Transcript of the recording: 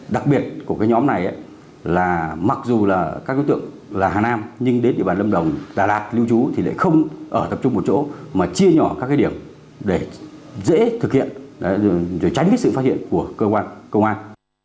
đặc biệt của nhóm này là mặc dù các đối tượng là hà nam nhưng đến địa bàn lâm đồng đà lạt lưu trú thì lại không ở tập trung một chỗ mà chia nhỏ các điểm để dễ thực hiện tránh phá hiện của cơ quan công an